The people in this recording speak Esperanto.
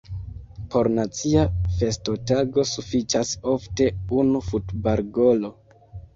Por nacia festotago sufiĉas ofte unu futbalgolo.